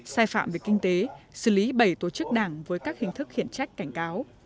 sai phạm về kinh tế xử lý bảy tổ chức đảng với các hình thức khiển trách cảnh cáo